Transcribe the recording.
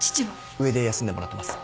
上で休んでもらってます。